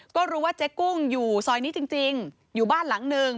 ก็รู้ว่าเจ๊กุ้งอยู่ซอยนี้จริงอยู่บ้านหลังหนึ่ง